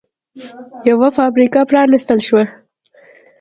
یوه فابریکه پرانېستل شوه